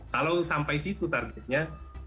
kalau sampai situ targetnya